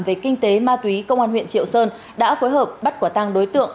về kinh tế ma túy công an huyện triệu sơn đã phối hợp bắt quả tăng đối tượng